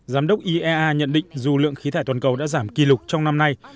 giám đốc iea nhận định dù lượng khí thải toàn cầu đã giảm kỷ lục trong năm nay